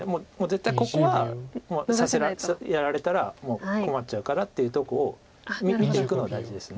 絶対ここはやられたらもう困っちゃうからっていうとこを見ていくのは大事です